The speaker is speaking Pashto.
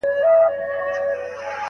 هنر غواړي.